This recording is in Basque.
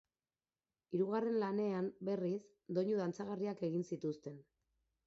Hirugarren lanean, berriz, doinu dantzagarriak egin zituzten.